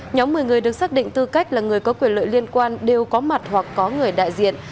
nhóm một mươi người được xác định tư cách là người có quyền lợi liên quan đều có mặt hoặc có người đại diện